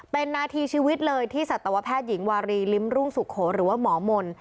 เป็นนาทีชีวิตเลยที่สัตวแพทย์หญิงวารีลิ้มรุ่งสุโขหรือว่าหมอมนต์